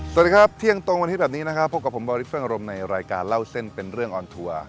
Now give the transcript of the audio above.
สวัสดีครับเที่ยงตรงวันนี้แบบนี้นะครับพบกับผมบอริสเฟิ่งอารมณ์ในรายการเล่าเส้นเป็นเรื่องออนทัวร์